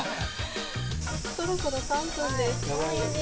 そろそろ３分です。